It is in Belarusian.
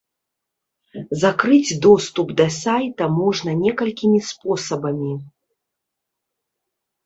Закрыць доступ да сайта можна некалькімі спосабамі.